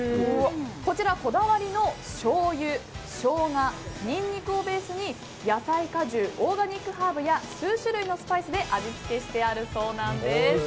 こちら、こだわりのしょうゆショウガ、ニンニクをベースに野菜、果汁オーガニックハーブや数種類のスパイスで味付けしてあるそうなんです。